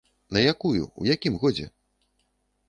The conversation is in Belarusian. На якую, у якім годзе?